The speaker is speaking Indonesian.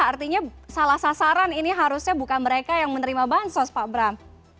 artinya salah sasaran ini harusnya bukan mereka yang menerima bansos pak bram